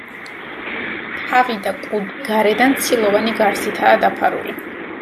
თავი და კუდი გარედან ცილოვანი გარსითაა დაფარული.